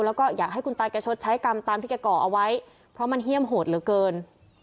แล้วก็อยากให้คุณตาแกชดใช้กรรมตามที่แกก่อเอาไว้เพราะมันเฮี่ยมโหดเหลือเกิน